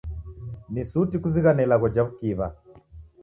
Ni suti kuzighane ilagho ja w'ukiw'a.